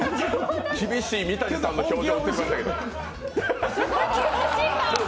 厳しい三谷さんの表情映りましたけど。